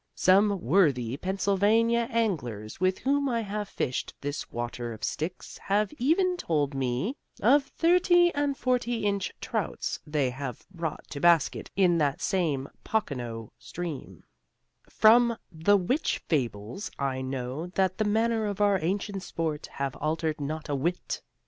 Some worthy Pennsylvania anglers with whom I have fished this water of Styx have even told me of thirty and forty inch trouts they have brought to basket in that same Pocono stream, from the which fables I know that the manners of our ancient sport have altered not a whit.